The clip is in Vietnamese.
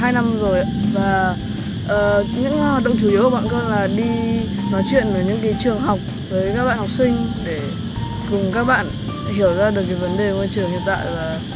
và chỉ nhóm bọn con thì đã thành lập được hai năm rồi ạ và những hoạt động chủ yếu của bọn con là đi nói chuyện là những trường học với các bạn học sinh để cùng các bạn hiểu ra được cái vấn đề môi trường hiện tại